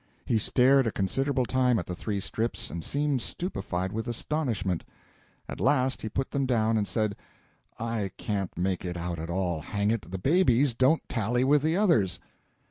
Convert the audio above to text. He stared a considerable time at the three strips, and seemed stupefied with astonishment. At last he put them down and said, "I can't make it out at all hang it, the baby's don't tally with the others!"